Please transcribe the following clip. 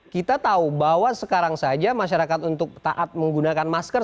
kita tahu bahwa sekarang saja masyarakat untuk taat menggunakan masker